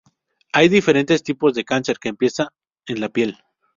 Hay diferentes tipos de cáncer que empiezan en la piel.